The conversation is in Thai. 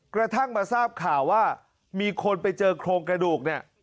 กระทั่งมาทราบข่าวว่ามีคนไปเจอโครงกระดูกเนี่ย